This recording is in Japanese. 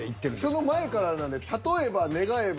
その前からなんで「例えば願えば」。